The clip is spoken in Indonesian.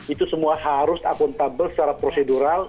itu semua harus akuntabel secara prosedural